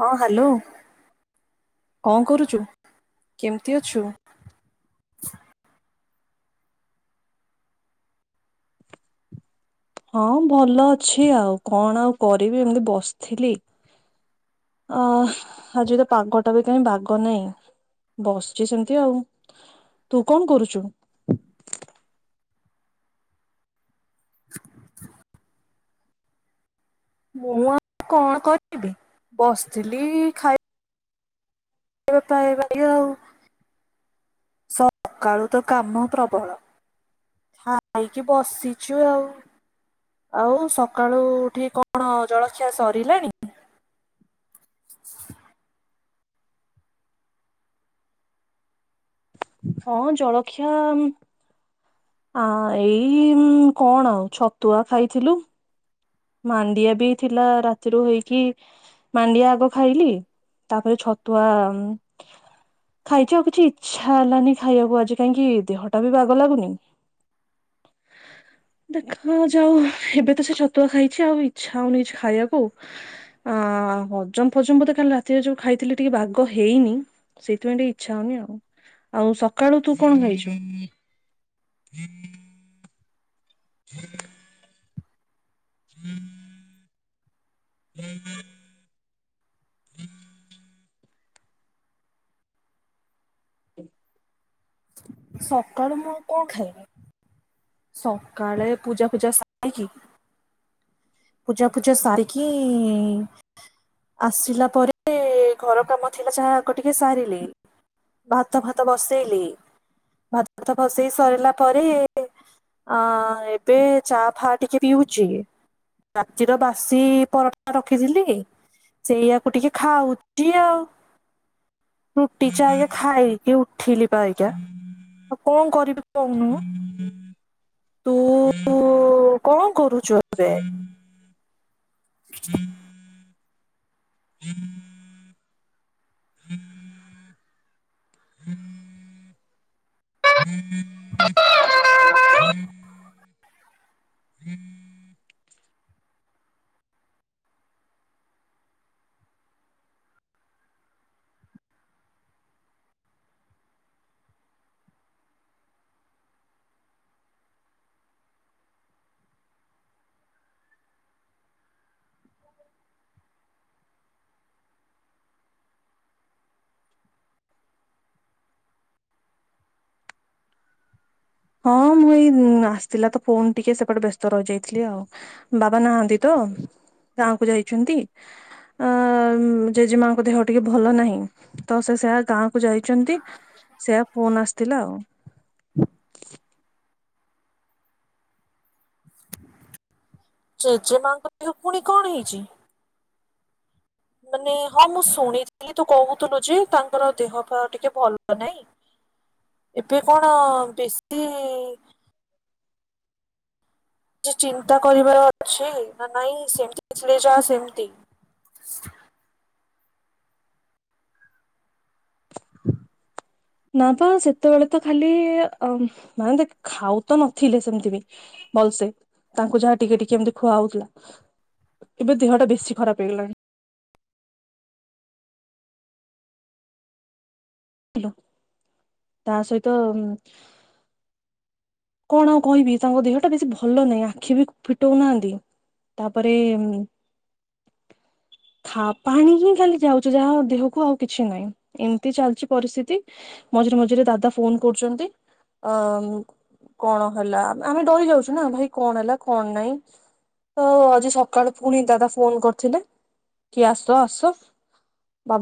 ହଁ ହ୍ୟାଲୋ। କଁ କରୁଛୁ କେମିତି ଅଛୁ? ହଁ ଭଲ ଅଛି ଆଉ କଣ ଆଉ କରିବି ଏମିତି ବସିଥିଲି। ଆଁ ଆଜି ର ପାଗ ଟା ବି କାହିଁ ବାଗ ନାହିଁ। ବସିଛି ସେମିତି ଆଉ ତୁ କଣ କରୁଛୁ? ମୁଁ ଆଉ କଣ କରିବି ବସିଥିଲି ଖାଇ ଏବେ ଖାଇବା ଦିଅ ଆଉ। ସକାଳୁ ତ କାମ ପ୍ରବଳ ଖାଇକି ବସିଛୁ ଆଉ। ଆଉ ସକାଳୁ ଉଠିକି କଣ ଜଳଖିଆ ସରିଲାଣି? ହଁ ଜଳଖିଆ ଉଁ। ଆଁ ଏଇ କଣ ଆଉ ଛତୁଆ ଖାଇଥିଲି। ମାଣ୍ଡିଆ ବି ଥିଲା ରାତିରୁ ହେଇକି। ମାଣ୍ଡିଆ ଆଗ ଖାଇଲି। ତାପରେ ଛତୁଆ ଉଁ। ଖାଇଛି ଆଉ କିଛି ଇଛା ହେଲାନି ଖାଇବାକୁ ଆଜି କାହିଁକି ଦେହଟା ବି ବାଗ ଲାଗୁନି। ଦେଖା ଯାଉ ଏବେ ସେ ତ ଛତ୍ ଛତୁଆ ଖାଇଛି ଆଉ ଇଚ୍ଛା ଆଉ ହେଉନି କିଛି ଖାଇବାକୁ ଆଉ। ଆ ହଜମ ଫଜମ ବ ତ ଖାଲି ରାତିରେ ଯୋଉ ଖାଇଥିଲି ଟିକେ ବାଗ ହେଇନି। ସେଇଥିପାଇଁ ଟିକେ ଇଚ୍ଛା ହଉନି। ଆଉ ସକାଳୁ ତୁ କଣ ଖାଇଛୁ? [inaudible] [inaudible] [inaudible] [inaudible] ସକାଳୁ ମୁଁ କଣ ଖାଇବି? ସକାଳେ ପୂଜା ଫୂଜା ସାରିକି ପୂଜା ଫୁଜା ସାରିକି ଇ ଆସିଲା ପରେ, ଘର କାମ ଥିଲା ଯାହା ଆଗ ଟିକେ ସାରିଲି ଭାତ ଫାତ ବସେଇଲି, ଭାତ ଫାତ ବସେଇ ସରିଲା ପରେ ଅଁ, ଏବେ ଚା ଫା ଟିକେ ପିଉଛି ରାତିର ବାସି ପରଟା ରଖିଥିଲି, ସେଇଆକୁ ଟିକେ ଖାଉ ଛି ଆଉ ରୁଟି ଚା ଏଇଆ ଖାଇ ଏବେ ଉଠିଲି ବା ଅବିକା, ଆଉ କଣ କରିବି କହୁନୁ? [inaudible] ତୁ ଉ କଣ କରୁଛୁ ଏବେ? [inaudible] ହୁଁ [inaudible] ହଁ, ମୁଁ ଏଇ ଆସିଥିଲା ତ ଫୋନ ଟିକେ ସେପଟେ ବ୍ୟସ୍ତ ରହିଯାଇଥିଲି ଆଉ। ବାବା ନାହାନ୍ତି ତ, ଗାଁକୁ ଯାଇଛନ୍ତି। ଅଁ ଜେଜେମାଙ୍କ ଦେହ ଟିକେ ଭଲ ନାହିଁ ତ ସେ ସେୟା ଗାଁ କୁ ଯାଇଛନ୍ତି, ସେୟା ଫୋନ୍ ଆସିଥିଲା ଆଉ। ଜେଜେ ମାଆଙ୍କ ଦେହ ପୁଣି କଣ ହେଇଛି? ମାନେ ହଁ ମୁଁ ଶୁଣି ତୁ ତ କହୁଥିଲୁ ଯେ, ତାଙ୍କର ଦେହ ପା ଟିକେ ଭଲ ନାଇଁ। ଏବେ କଣ ବେଶି ଇ କିଛି ଚିନ୍ତା କରିବାର ଅଛି ନା ନାଇଁ ସେମିତି ଥିଲେ ଯାହା ସେମିତି? ନା ତ ସେତେବେଳେ ତ ଖାଲି ଅଁ ମାନେ ଖାଉତ ନଥିଲେ ସେମତି ବି ଭଲସେ ତାଙ୍କୁ ଯାହା ଟିକେ ଟିକେ ଏମିତି ଖୁଆଉଥିଲୁ। ଏବେ ଦେହଟା ବେଶୀ ଖରାପ ହେଇଗଲାଣି। ତା ସହିତ କଣ ଆଉ କହିବି? ତାଙ୍କ ଦେହଟା ବେଶୀ ଭଲ ନାହିଁ, ଆଖି ବି ଫିଟଉ ନାହାନ୍ତି ତାପରେ ଖା ପାଣି ହିଁ ଖାଲି ଯାଉଛୁ ଯାହା ଦେହକୁ ଆଉ କିଛି ନାହିଁ। ଏମିତି ଚାଲିଛି ପରିସ୍ଥିତି ମଝିରେ ମଝିରେ ଦାଦା ଫୋନ୍ କରୁଛନ୍ତି। ଅଁ କଣ ହେଲା ଆମେ ଡରି ଯାଉଛୁ ନା, ଭାଇ କଣ ହେଲା କଣ ନାଇଁ? ତ ଆଜି ସକାଳୁ ପୁଣି ଦାଦା ଫୋନ୍ କରିଥିଲେ, କି ଆସ ଆସ? ବାବା